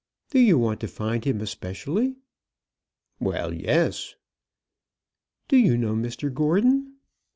"Do you want to find him especially?" "Well, yes." "Do you know Mr Gordon?"